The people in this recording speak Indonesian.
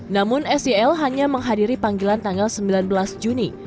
namun sel hanya menghadiri panggilan tanggal sembilan belas juni